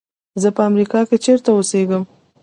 زه په امریکا کې چېرته اوسېږم.